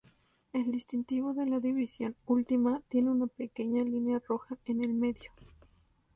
El distintivo de la división última tiene una pequeña línea roja en el medio.